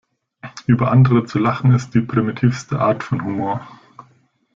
Über andere zu lachen, ist die primitivste Art von Humor.